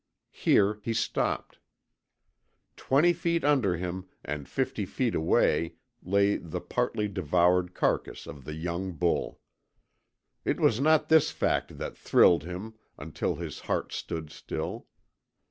Here he stopped. Twenty feet under him and fifty feet away lay the partly devoured carcass of the young bull. It was not this fact that thrilled him until his heart stood still.